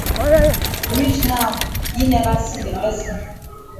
Reach now yi never see the person.